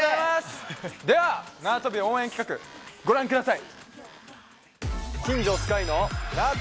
では、なわとび応援企画ご覧ください。